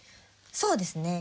そうですね。